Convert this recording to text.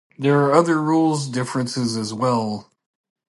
There are other rules differences as well.